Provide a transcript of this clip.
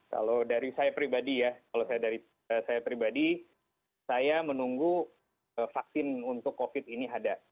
kalau dari saya pribadi ya saya menunggu vaksin untuk covid ini ada